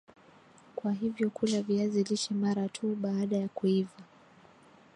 Kwa hivyo kula viazi lishe mara tu baada ya kuiva